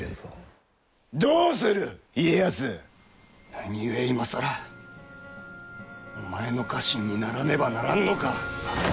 何故今更お前の家臣にならねばならんのか！